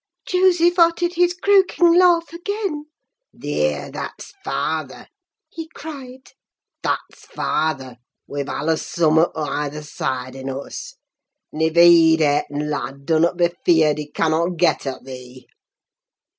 "Joseph uttered his croaking laugh again. "'Thear, that's t' father!' he cried. 'That's father! We've allas summut o' either side in us. Niver heed, Hareton, lad—dunnut be 'feard—he cannot get at thee!